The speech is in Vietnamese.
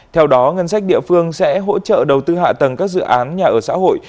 theo đó ngân sách địa phương sẽ hỗ trợ đầu tư hạ tầng các dự án nhà ở xã hội